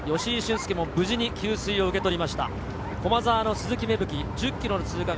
恭も無事に給水を受け取りました。